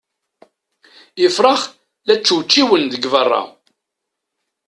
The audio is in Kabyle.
Ifrax la ččewčiwen deg berra.